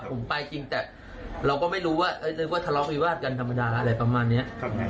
ผมไปจริงแต่เราก็ไม่รู้ว่านึกว่าทะเลาะวิวาสกันธรรมดาอะไรประมาณนี้